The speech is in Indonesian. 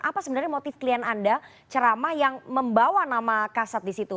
apa sebenarnya motif klien anda ceramah yang membawa nama kasat di situ